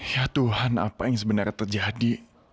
ya tuhan apa yang sebenarnya terjadi